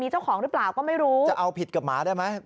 เจ้าของหรือเปล่าก็ไม่รู้จะเอาผิดกับหมาได้ไหม